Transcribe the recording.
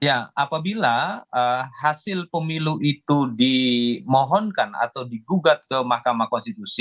maka ya itu akan diubah ya apabila hasil pemilu itu dimohonkan atau digugat ke mahkamah konstitusi